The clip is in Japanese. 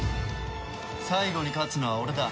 最後に勝つのは俺だ。